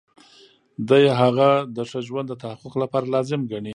دی هغه د ښه ژوند د تحقق لپاره لازم ګڼي.